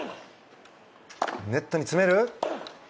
ネットに詰める！